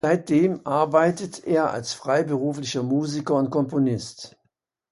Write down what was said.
Seitdem arbeitet er als freiberuflicher Musiker und Komponist.